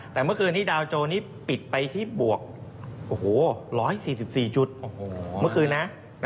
แต่เมื่อคืนนี้ดาวโจนี้ปิดไปที่บวก๑๔๔จุดเมื่อคืนนะ